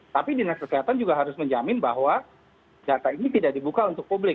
tapi dinas kesehatan juga harus menjamin bahwa data ini tidak dibuka untuk publik